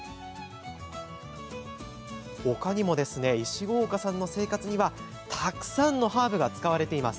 ほかにも、石郷岡さんの生活にはたくさんのハーブが使われています。